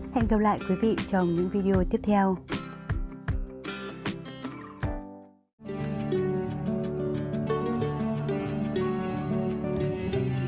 hẹn gặp lại quý vị